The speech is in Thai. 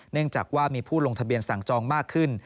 เนื่องจากว่ามีผู้ลงทะเบียนสั่งจองมากขึ้น